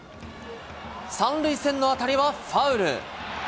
３塁線の当たりはファウル。